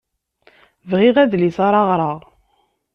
Bɣiɣ adlis ara ɣreɣ.